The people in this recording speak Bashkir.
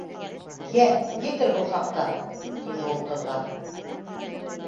—Йә, етер был хаҡта, —тине ул ҡыҙға.